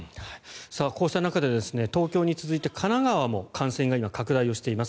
こうした中で東京に続いて神奈川も感染が今、拡大をしています。